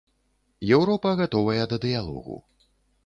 Еўропа гатовая да дыялогу.